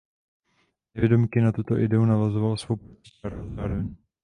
Nevědomky na tuto ideu navazoval svou prací Charles Darwin.